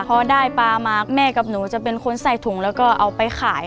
พอได้ปลามาแม่กับหนูจะเป็นคนใส่ถุงแล้วก็เอาไปขาย